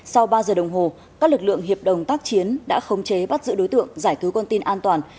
sau ba giờ đồng hồ các lực lượng hiệp đồng tác chiến đã khống chế bắt giữ đối tượng giải cứu con tin an toàn